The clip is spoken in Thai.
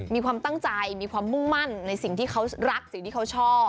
มีความตั้งใจมีความมุ่งมั่นในสิ่งที่เขารักสิ่งที่เขาชอบ